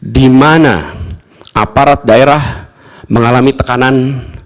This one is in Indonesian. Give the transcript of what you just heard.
dimana aparat daerah mengalami tekanan